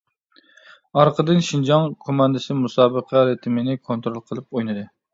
ئارقىدىن شىنجاڭ كوماندىسى مۇسابىقە رىتىمىنى كونترول قىلىپ ئوينىدى.